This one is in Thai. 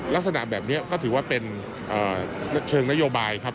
ลักษณะแบบนี้ก็ถือว่าเป็นเชิงนโยบายครับ